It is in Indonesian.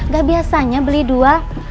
gak biasanya beli dua